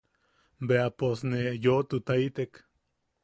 Bea pos ne yoʼotutaitek.